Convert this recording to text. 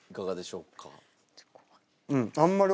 うん。